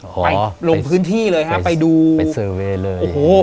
ไปลงพื้นที่เลยฮะไปดูไปเซอร์เวย์เลย